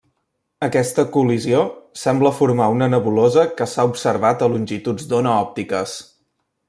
Aquesta col·lisió sembla formar una nebulosa que s'ha observat a longituds d'ona òptiques.